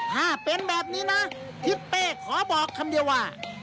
ถ้าเป็นแบบนี้นะทิศเป้ขอบอกคำเดียวว่า